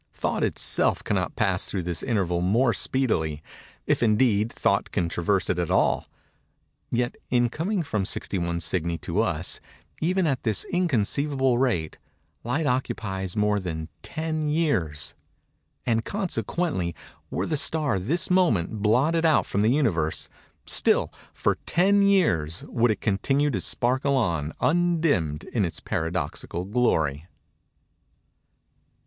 Thought itself cannot pass through this interval more speedily—if, indeed, thought can traverse it at all. Yet, in coming from 61 Cygni to us, even at this inconceivable rate, light occupies more than ten years; and, consequently, were the star this moment blotted out from the Universe, still, for ten years, would it continue to sparkle on, undimmed in its paradoxical glory.